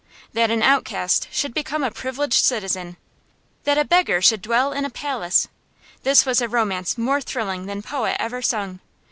That an outcast should become a privileged citizen, that a beggar should dwell in a palace this was a romance more thrilling than poet ever sung.